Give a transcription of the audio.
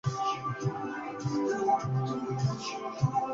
Se caracteriza por la escasez de precipitaciones y los fuertes vientos.